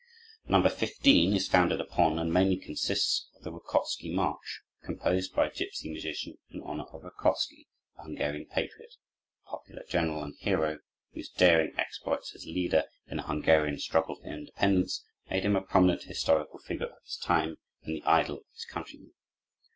No. 15 is founded upon, and mainly consists of the Rakoczy March, composed by a gipsy musician in honor of Rakoczy, that Hungarian patriot, popular general, and hero, whose daring exploits as leader, in the Hungarian struggle for independence, made him a prominent historical figure of his time, and the idol of his countrymen.